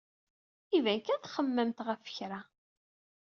Iban kan txemmememt ɣef kra.